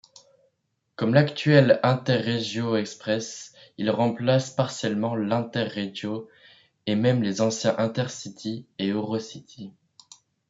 Comme l'actuel Interregio-Express, il remplace partiellement l'Interregio et même les anciens Intercity et EuroCity.